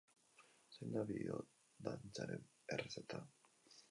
Zein da biodantzaren errezeta?